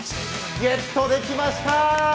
ゲットできました！